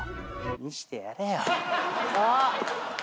見せてやれよ。